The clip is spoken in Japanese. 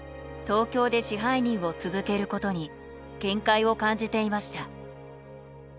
東京で支配人を続けることに限界を感じていました。